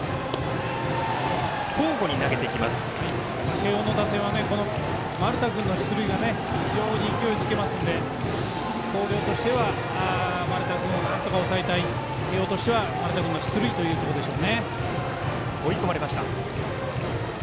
慶応の打線は丸田君の出塁が非常に勢いづけますので広陵としては丸田君をなんとか抑えたい慶応としては丸田君の出塁というところでしょう。